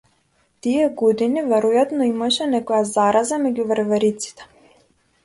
Тие години веројатно имаше некоја зараза меѓу вервериците.